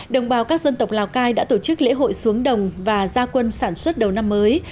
đồng bào các dân tộc lào cai đã tổ chức lễ hội xuống đồng và gia quân sản xuất đầu năm mới